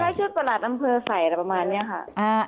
คล้ายชุดประหลาดน้ำเพลิงใส่อะไรประมาณนี้ค่ะ